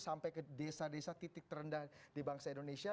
sampai ke desa desa titik terendah di bangsa indonesia